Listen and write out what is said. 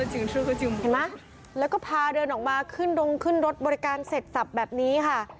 จริงเห็นไหมแล้วก็พาเดินออกมาขึ้นดงขึ้นรถบริการเสร็จสับแบบนี้ค่ะ